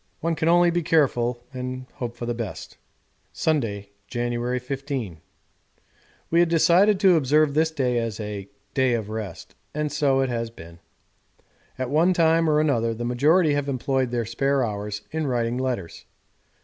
One can only be careful and hope for the best.' Sunday, January 15. We had decided to observe this day as a 'day of rest,' and so it has been. At one time or another the majority have employed their spare hours in writing letters.